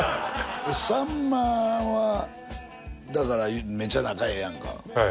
さんまはだからめちゃ仲ええやんか。